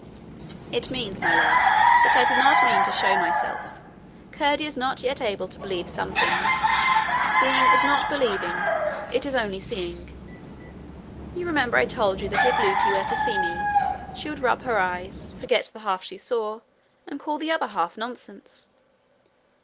'It means, my love, that I did not mean to show myself. Curdie is not yet able to believe some things. Seeing is not believing it is only seeing. You remember I told you that if Lootie were to see me, she would rub her eyes, forget the half she saw, and call the other half nonsense.'